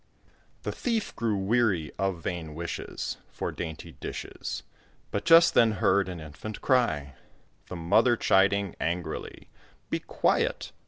] The thief grew weary of vain wishes For dainty dishes; But just then heard an Infant cry, The mother chiding angrily "Be quiet!